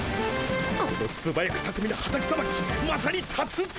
このすばやくたくみなハタキさばきまさに達人！